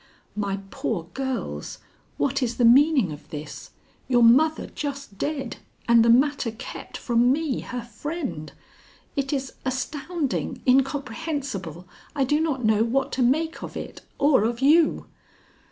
"My poor girls! What is the meaning of this? Your mother just dead, and the matter kept from me, her friend! It is astounding incomprehensible! I do not know what to make of it or of you."